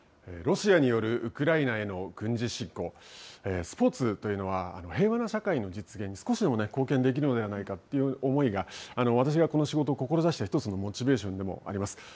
ロシアによるウクライナへの軍事侵攻スポーツというのは平和な社会の実現に少しでも貢献できるのではないかという思いが私がこの仕事を志した１つのモチベーションでもあります。